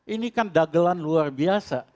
ini kan dagelan luar biasa